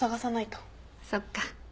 そっか。